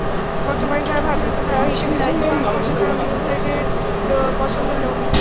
বর্তমানে যাঁরা ভারপ্রাপ্ত হিসেবে দায়িত্ব পালন করছেন, তাঁরা মুজাহিদের পছন্দের লোক।